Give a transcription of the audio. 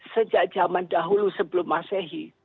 sejak zaman dahulu sebelum masehi